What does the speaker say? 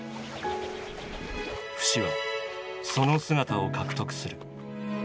フシはその姿を獲得する。